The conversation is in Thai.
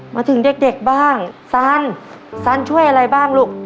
มาถึงเด็กบ้างซานซันช่วยอะไรบ้างลูก